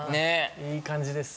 いい感じです。